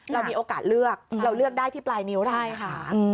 เรามีโอกาสเลือกเราเลือกได้ที่ปลายนิ้วเรานะคะ